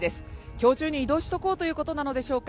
今日中に移動しておこうということなのでしょうか